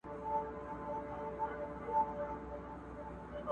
آسمانه اوس خو اهریمن د قهر.!